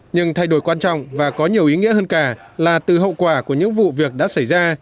nhưng thay đổi quan trọng và có nhiều ý nghĩa hơn cả là từ hậu quả của những vụ việc đã xảy ra